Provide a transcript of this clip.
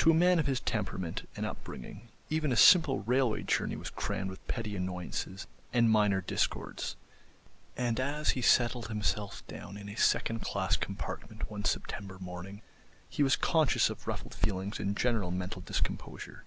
To a man of his temperament and upbringing even a simple railway journey was crammed with petty annoyances and minor discords, and as he settled himself down in a second class compartment one September morning he was conscious of ruffled feelings and general mental discomposure.